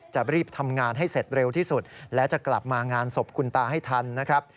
จะรีบทำงานให้เสร็จเร็วที่สุดและจะกลับมางานศพคุณตาให้ทันนะครับ